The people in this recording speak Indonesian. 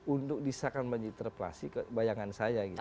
untuk disahkan menginterpelasi ke bayangan saya gitu